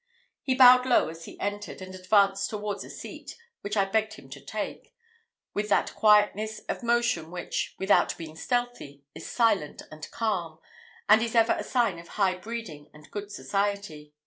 He bowed low as he entered, and advanced towards a seat, which I begged of him to take, with that quietness of motion which, without being stealthy, is silent and calm, and is ever a sign of high breeding and good society.